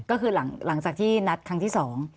ก็คือหลังจากที่นัดครั้งที่สอง